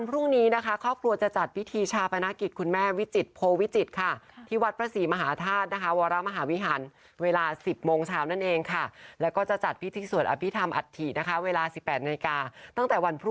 เพราะตอนนี้อายุก็๙๐ปีแล้ว